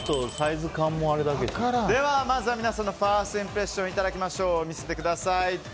まずは皆さんのファーストインプレッションいただきましょう。